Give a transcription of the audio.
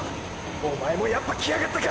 おまえもやっぱ来やがったか